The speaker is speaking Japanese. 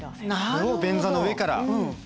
これを便座の上から。